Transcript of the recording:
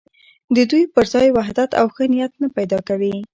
د دوی پر ځای وحدت او ښه نیت نه پیدا کوي.